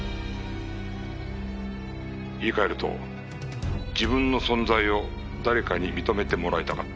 「言い換えると自分の存在を誰かに認めてもらいたかった」